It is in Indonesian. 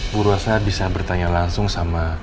bu ruasa bisa bertanya langsung sama